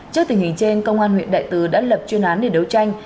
trước tình hình trên công an huyện đại từ đã lập chuyên án để đấu tranh